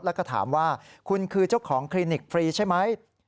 แล้วก็ถามว่าคุณคือเจ้าของคลินิกฟรีใช่ไหม